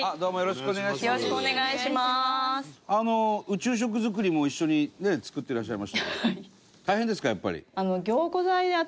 宇宙食作りも一緒にね作ってらっしゃいましたけど。